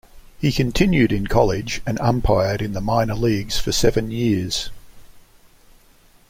He continued in college and umpired in the minor leagues for seven years.